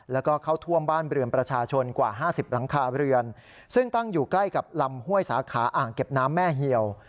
แล้วก็เข้าท่วมบ้านเรือนประชาชนกว่าห้าสิบหลังคาเรือนซึ่งตั้งอยู่ใกล้กับลำห้วยสาขาอ่างเก็บน้ำแม่เหี่ยว